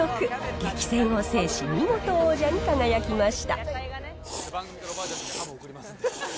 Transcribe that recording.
激戦を制し、見事王者に輝きました。